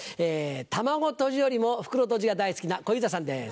卵とじよりも袋とじが大好きな小遊三さんです。